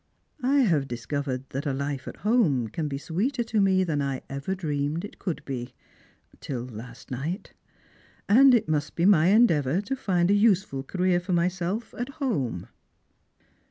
I have discovered that a life at home can be sweeter to me than I ever dreamed it could be— till last nighl ; and it must be my endeavour to find a useful career for myself at home.